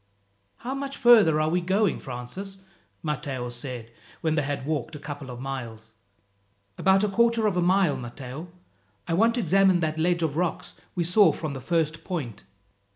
"How much further are we going, Francis?" Matteo said when they had walked a couple of miles. "About a quarter of a mile, Matteo. I want to examine that ledge of rocks we saw from the first point."